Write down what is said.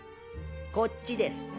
こっちです。